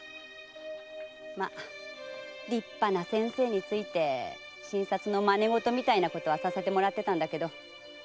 まあ立派な先生について診察の真似ごとみたいなことはさせてもらってたんだけど。